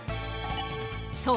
そう。